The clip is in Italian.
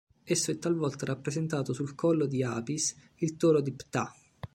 Esso è talvolta rappresentato sul collo di Apis, il toro di Ptah.